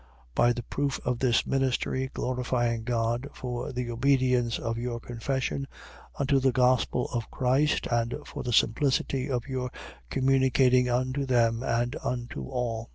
9:13. By the proof of this ministry, glorifying God for the obedience of your confession unto the gospel of Christ and for the simplicity of your communicating unto them and unto all.